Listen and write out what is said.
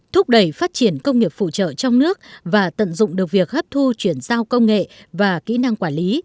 thúc đẩy phát triển công nghiệp phụ trợ trong nước và tận dụng được việc hấp thu chuyển giao công nghệ và kỹ năng quản lý